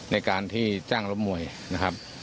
ในการที่จ้างล้มมวยนะครับ